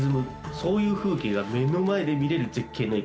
そういう風景が目の前で見れる絶景の駅です。